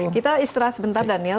kita istirahat sebentar daniel